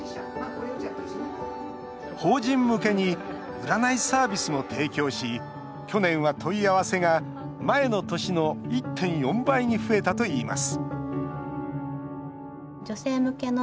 法人向けに占いサービスも提供し去年は問い合わせが前の年の１．４倍に増えたといいます